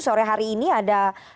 sore hari ini ada